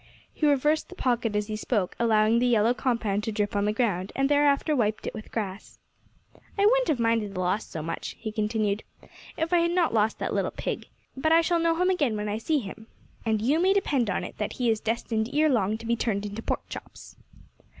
He reversed the pocket as he spoke, allowing the yellow compound to drip on the ground, and thereafter wiped it with grass. "I wouldn't have minded this loss so much," he continued, "if I had not lost that little pig. But I shall know him again when I see him, and you may depend on it that he is destined ere long to be turned into pork chops."